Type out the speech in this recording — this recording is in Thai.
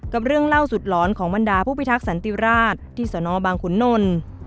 เรื่องล่าสุดหลอนของบรรดาผู้พิทักษันติราชที่สนบางขุนนล